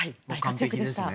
完璧ですね。